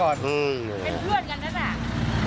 ขั้นเพื่อนกันนั้นอะ